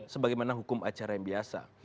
sebagaimana hukum acara yang biasa